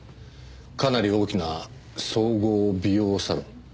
かなり大きな総合美容サロン。